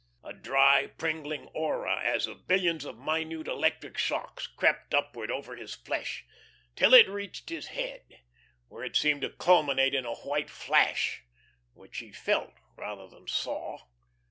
A dry, pringling aura as of billions of minute electric shocks crept upward over his flesh, till it reached his head, where it seemed to culminate in a white flash, which he felt rather than saw.